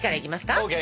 ＯＫ！